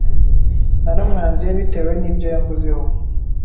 Naramwanze bitewe nibyo yamvuzeho.